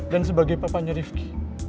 dan sebagai papanya riefki